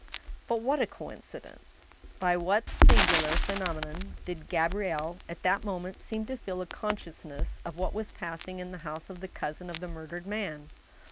But what a coincidence ! By what singular phenomenon did Gabrielle at that moment seem to feel a consciousness of what was passing in the house of the cousin of the murdered man